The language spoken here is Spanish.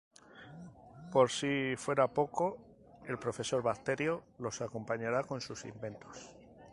Por si fuera poco, el profesor Bacterio los acompañará con sus inventos.